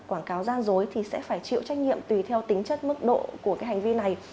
quảng cáo gian dối thì sẽ phải chịu trách nhiệm tùy theo tính chất mức độ của cái hành vi này